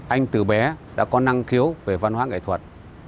anh từ bé đã có năng khiếu về văn hóa nghệ thuật